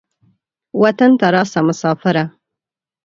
وطن ته راسه مسافره.